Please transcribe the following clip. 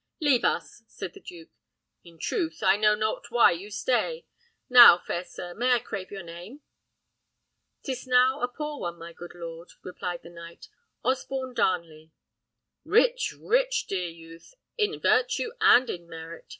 "Leave us!" said the duke. "In truth, I know not why you stay. Now, fair sir, may I crave your name?" "'Tis now a poor one, my good lord," replied the knight. "Osborne Darnley." "Rich, rich, dear youth, in virtue and in merit!"